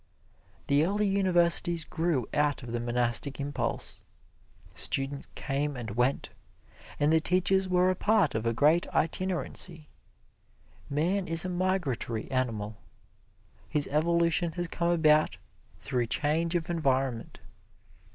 The early universities grew out of the monastic impulse. Students came and went, and the teachers were a part of a great itinerancy. Man is a migratory animal. His evolution has come about through change of environment.